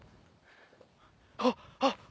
あっあっ！